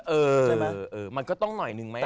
เออมันก็ต้องหน่อยนึงไหมนะ